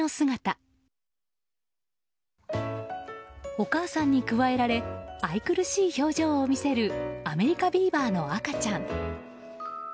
お母さんにくわえられ愛くるしい表情を見せるアメリカビーバーの赤ちゃん。